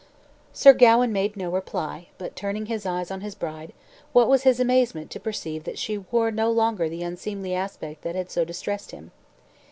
Sir Gawain made no reply; but, turning his eyes on his bride, what was his amazement to perceive that she wore no longer the unseemly aspect that had so distressed him.